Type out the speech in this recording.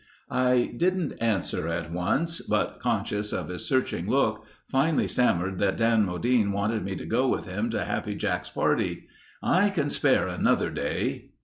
I didn't answer at once but conscious of his searching look, finally stammered that Dan Modine wanted me to go with him to Happy Jack's party. "I can spare another day...."